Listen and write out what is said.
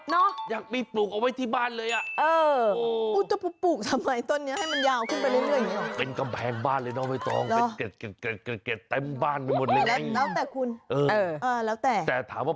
อยากมีปลูกเอาไว้ที่บ้านเลยอ่ะ